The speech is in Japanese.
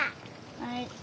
・はい。